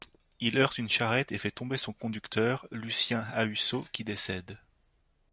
Il heurte une charrette et fait tomber son conducteur, Lucien Hahusseau qui décède.